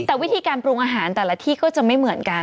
แต่วิธีการปรุงอาหารแต่ละที่ก็จะไม่เหมือนกัน